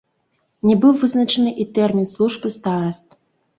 Не быў вызначаны і тэрмін службы стараст.